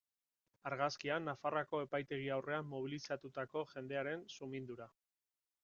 Argazkian, Nafarroako epaitegi aurrean mobilizatutako jendearen sumindura.